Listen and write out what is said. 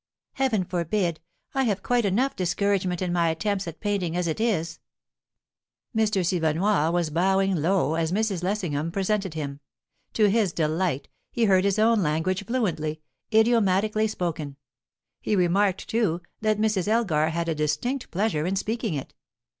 "Heaven forbid! I have quite enough discouragement in my attempts at painting, as it is." M. Silvenoire was bowing low, as Mrs. Lessingham presented him. To his delight, he heard his own language fluently, idiomatically spoken; he remarked, too, that Mrs. Elgar had a distinct pleasure in speaking it.